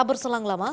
tabur selang lama